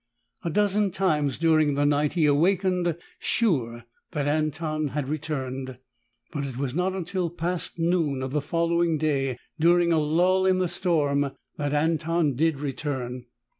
A dozen times during the night he awakened, sure that Anton had returned. But it was not until past noon of the following day, during a lull in the storm, that Anton did return.